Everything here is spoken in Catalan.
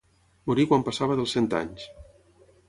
Morí quan passava dels cent anys.